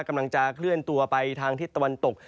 กำลังจะเคลื่อนตัวไปทางทิศตะวันตก